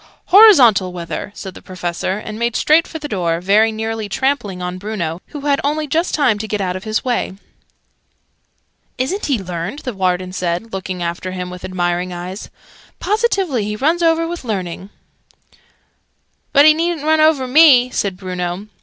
"Horizontal weather," said the Professor, and made straight for the door, very nearly trampling on Bruno, who had only just time to get out of his way. "Isn't he learned?" the Warden said, looking after him with admiring eyes. "Positively he runs over with learning!" "But he needn't run over me!" said Bruno.